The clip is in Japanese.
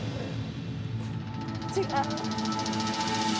違う？